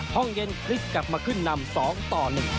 ห้องเย็นคลิกกลับมาขึ้นนำ๒ต่อ๑